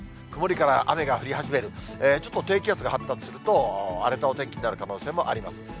曇りから雨が降り始める、ちょっと低気圧が発達すると、荒れたお天気になる可能性もあります。